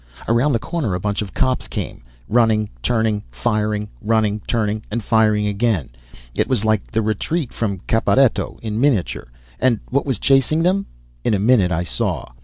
Around a corner a bunch of cops came, running, turning, firing; running, turning and firing again. It was like the retreat from Caporetto in miniature. And what was chasing them? In a minute I saw.